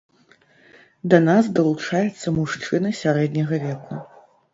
Да нас далучаецца мужчына сярэдняга веку.